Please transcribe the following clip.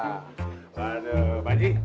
waduh pak haji